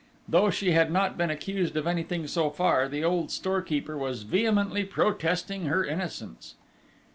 Though she had not been accused of anything so far, the old storekeeper was vehemently protesting her innocence.